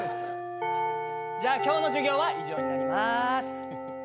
じゃあ今日の授業は以上になります。